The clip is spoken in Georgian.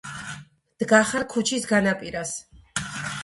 დგახარ ქუჩის განაპირას